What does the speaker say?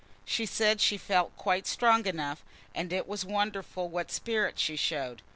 She said she felt quite strong enough; and it was wonderful what spirit she showed.